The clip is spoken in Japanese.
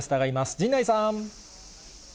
陣内さん。